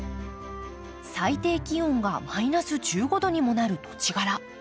最低気温がマイナス１５度にもなる土地柄。